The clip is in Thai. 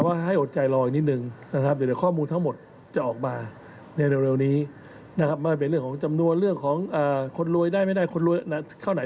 อยากให้อดใจรออีกนิดนึงได้ไหม